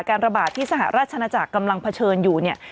ระบาดที่สหราชนาจักรกำลังเผชิญอยู่เนี่ย